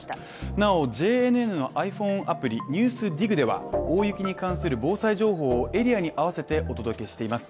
なおＪＮＮのｉＰｈｏｎｅアプリ「ＮＥＷＳＤＩＧ」では大雪に関する防災情報をエリアに合わせてお届けしています。